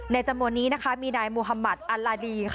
และก็จับกลุ่มตัวกลุ่มฮามาสอีก๒๖คน